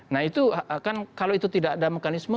nah itu kan kalau itu tidak ada mekanisme